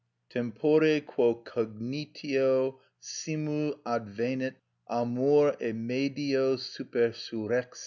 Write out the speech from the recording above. Tempore quo cognitio simul advenit, amor e medio supersurrexit.